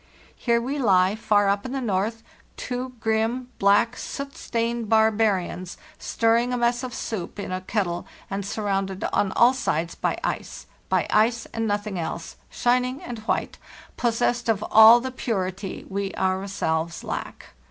"Here we lie far up in the north; two grim, black, soot stained barbarians, stirring a mess of soup in a kettle and surrounded on all sides by ice; by ice and nothing else—shining and white, possessed of all the purity we ourselves lack.